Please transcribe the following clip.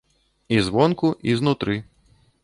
І звонку, і знутры.